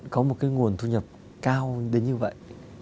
có một cái nguồn thu nhập cao đến như vậy